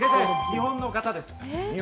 日本の方です。